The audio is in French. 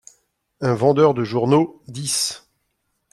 Un Vendeur de Journaux : dix…